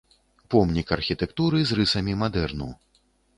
Помнік архітэктуры з рысамі мадэрну.